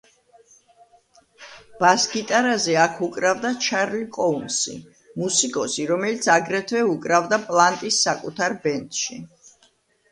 ბას-გიტარაზე აქ უკრავდა ჩარლი ჯოუნსი, მუსიკოსი, რომელიც აგრეთვე უკრავდა პლანტის საკუთარ ბენდში.